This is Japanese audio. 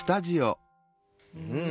うん。